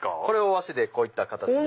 和紙でこういった形で。